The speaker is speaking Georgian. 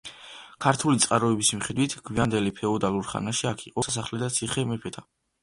ქართული წყაროების მიხედვით, გვიანდელი ფეოდალურ ხანაში აქ იყო „სასახლე და ციხე მეფეთა“.